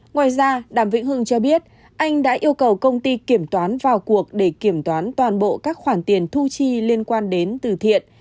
ngoài ra đàm vĩnh hưng cho biết anh đã yêu cầu công ty kiểm toán vào cuộc để kiểm toán toàn bộ các khoản tiền thu chi liên quan đến từ thiện